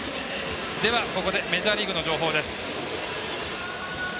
では、ここでメジャーリーグの情報です。